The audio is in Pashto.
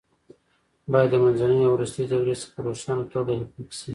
باید د منځنۍ او وروستۍ دورې څخه په روښانه توګه تفکیک شي.